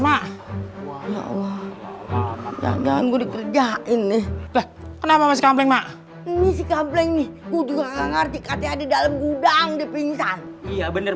mak jangan gue kerjain nih kenapa masih kampengin nih kata ada dalam gudang dipinggir iya bener